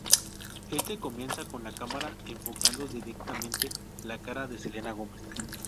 Este comienza con la cámara enfocando directamente la cara de Selena Gomez.